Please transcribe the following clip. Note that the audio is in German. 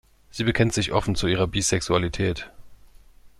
Sie bekennt sich offen zu ihrer Bisexualität.